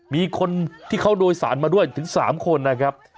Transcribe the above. มีคนที่เขาโดยสารมาด้วยถึง๓คนนะครับ